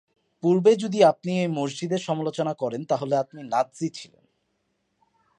পূর্বে যদি আপনি এই মসজিদের সমালোচনা করেন তাহলে আপনি নাৎসি ছিলেন।